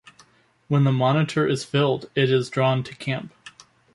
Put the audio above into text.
When the monitor is filled it is drawn to camp.